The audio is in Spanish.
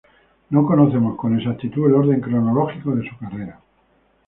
No conocemos con exactitud el orden cronológico de su carrera.